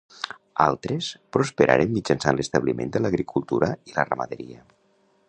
Altres prosperaren mitjançant l'establiment de l'agricultura i la ramaderia.